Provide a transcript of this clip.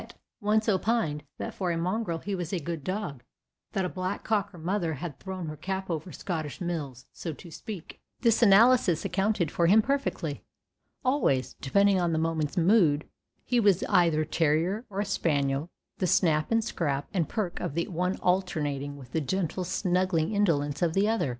once opined that for a mongrel he was a good dog, that a black cocker mother had thrown her cap over Scottish mills, so to speak. This analysis accounted for him perfectly. Always, depending on the moment's mood, he was either terrier or spaniel, the snap and scrap and perk of the one alternating with the gentle snuggling indolence of the other.